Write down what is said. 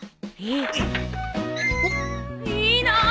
いいな。